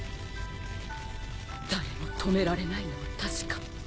誰も止められないのは確か。